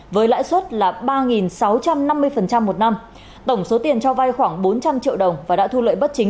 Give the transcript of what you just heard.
với lãi suất là ba sáu trăm năm mươi một năm tổng số tiền cho vai khoảng bốn trăm linh triệu đồng và đã thu lợi bất chính